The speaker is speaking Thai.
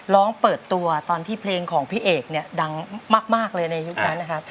ร้องเปิดตัวตอนที่เพลงของพี่เอกเนี่ยดังมากเลยในยุคนั้นนะครับ